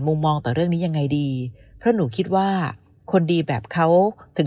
มองต่อเรื่องนี้ยังไงดีเพราะหนูคิดว่าคนดีแบบเขาถึง